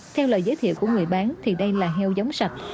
theo lời giới thiệu của người bán thì đây là heo giống sạch